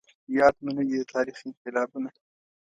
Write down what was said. ياد مو نه دي د تاريخ انقلابونه